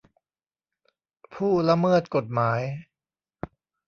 ผู้ละเมิดกฎหมาย